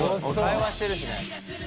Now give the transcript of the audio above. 会話してるしね。